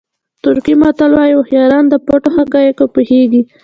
ترکي متل وایي هوښیاران د پټو حقایقو پوهېږي.